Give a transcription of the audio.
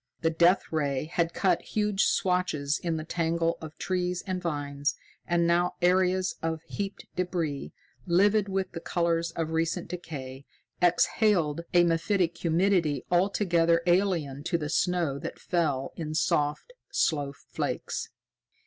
The Death Ray had cut huge swathes in the tangle of trees and vines, and now areas of heaped débris, livid with the colors of recent decay, exhaled a mephitic humidity altogether alien to the snow that fell in soft, slow flakes.